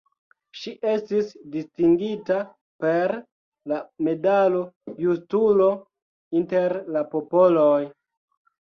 Ŝi estis distingita per la medalo Justulo inter la popoloj.